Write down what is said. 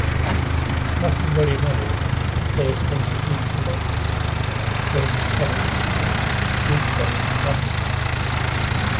Lacking ready money, Sulla spent his youth amongst Rome's comics, actors, lute-players, and dancers.